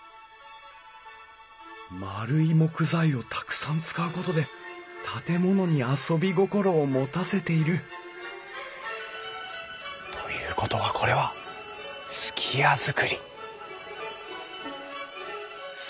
丸い木材をたくさん使うことで建物に遊び心を持たせているということはこれは数寄屋造り。